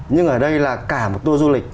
nhưng ở đây là cả một tour du lịch